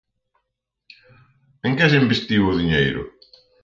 ¿En que se investiu o diñeiro?